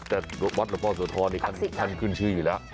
แต่วัดละเป้าสวท้อนี่ท่านขึ้นชื่ออยู่แล้ว